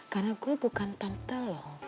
karena gue bukan tante loh